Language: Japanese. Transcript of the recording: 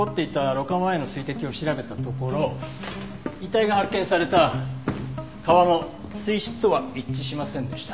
濾過前の水滴を調べたところ遺体が発見された川の水質とは一致しませんでした。